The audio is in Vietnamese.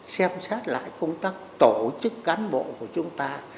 xem xét lại công tác tổ chức cán bộ của chúng ta